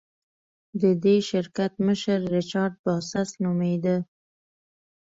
د دې شرکت مشر ریچارډ باسس نومېده.